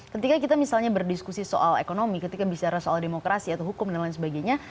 ketika kita misalnya berdiskusi soal ekonomi ketika bicara soal demokrasi atau hukum dan lain sebagainya